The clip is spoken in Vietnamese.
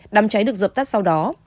đám cháy được dập tắt sau đó